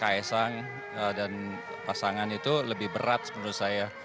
kalau ksang dan pasangan itu lebih berat menurut saya